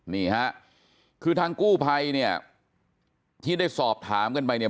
นี่ฮะคือทางกู้ภัยเนี่ยที่ได้สอบถามกันไปเนี่ย